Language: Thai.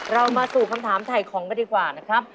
เรามาสู่คำถามถ่ายของกันดีกว่านะครับ